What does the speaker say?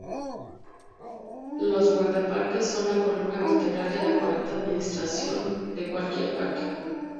Los guardaparques son la columna vertebral de la correcta administración de cualquier parque.